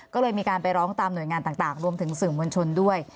ก็เลยมีการไปร้องตามหน่วยงานต่างรวมถึงสื่อมวลชนด้วย